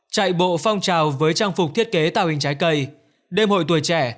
chạy bộ phong trào với trang phục thiết kế tạo hình trái cây đêm hội tuổi trẻ